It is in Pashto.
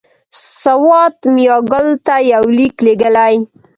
سوات میاګل ته یو لیک لېږلی.